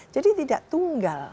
jadi tidak tunggal